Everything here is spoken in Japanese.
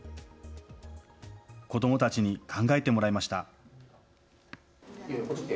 子どもたちに考えてもらいました。